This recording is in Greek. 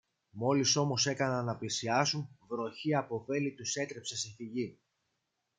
Μόλις όμως έκαναν να πλησιάσουν, βροχή από βέλη τους έτρεψε σε φυγή.